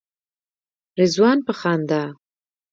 رضوان په خندا.